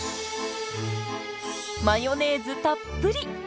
マヨネーズたっぷり！